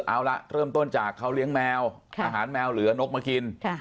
เอาละเริ่มต้นจากเขาเลี้ยงแมวอาหารแมวเหลือนกมากิน